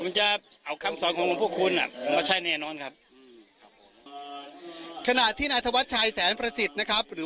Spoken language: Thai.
แล้วจะเอาคำซ้อนคนหล๑๙๓๙ครับขณะที่นาธวัฏชายแสนพระสิทธิ์นะครับหรือ